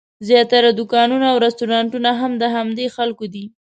زیاتره دوکانونه او رسټورانټونه هم د همدې خلکو دي.